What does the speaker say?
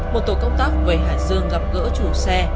một tổ công tác về hải dương gặp gỡ chủ xe